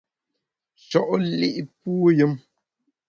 Sho’ li’ puyùm !